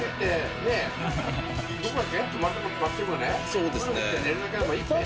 そうですね。